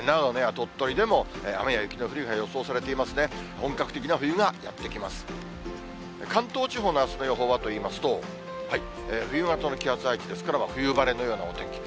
関東地方のあすの予報はといいますと、冬型の気圧配置ですから、冬晴れのようなお天気。